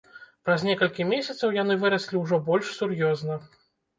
Праз некалькі месяцаў яны выраслі ўжо больш сур'ёзна.